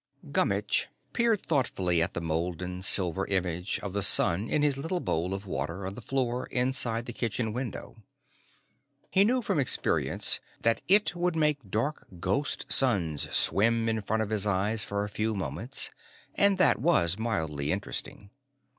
Gummitch peered thoughtfully at the molten silver image of the sun in his little bowl of water on the floor inside the kitchen window. He knew from experience that it would make dark ghost suns swim in front of his eyes for a few moments, and that was mildly interesting.